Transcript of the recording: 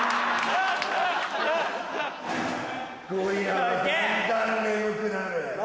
ゴリラはだんだん眠くなる。